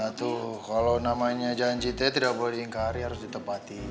ya tuh kalau namanya janji itu ya tidak boleh diingkari harus ditepati